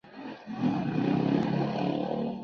Se trata de un interesante conjunto arquitectónico.